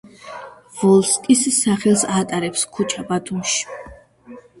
ვოლსკის სახელს ატარებს ქუჩა ბათუმში.